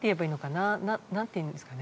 なんていうんですかね？